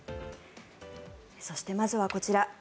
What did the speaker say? そしてまずはこちら。